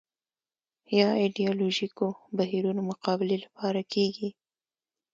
یا ایدیالوژیکو بهیرونو مقابلې لپاره کېږي